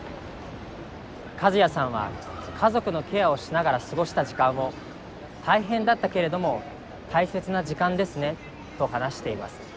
カズヤさんは家族のケアをしながら過ごした時間を大変だったけれども大切な時間ですねと話しています。